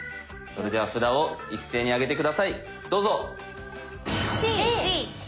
それでは札を一斉に上げて下さいどうぞ。